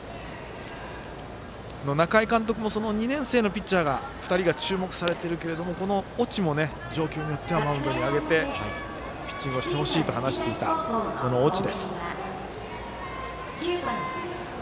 仲井監督も２年生のピッチャー２人が注目されているけれどもこの越智も状況によってはマウンドに上げてピッチングをしてほしいと話していた、その越智。